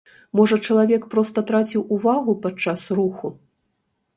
Можа, чалавек проста траціў увагу падчас руху.